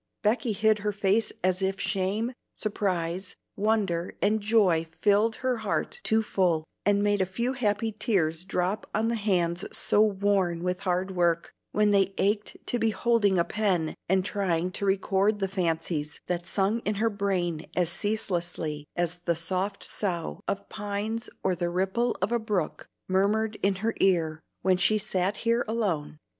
Becky hid her face as if shame, surprise, wonder, and joy filled her heart too full and made a few happy tears drop on the hands so worn with hard work, when they ached to be holding a pen and trying to record the fancies that sung in her brain as ceaselessly as the soft sough of the pines or the ripple of the brook murmured in her ear when she sat here alone.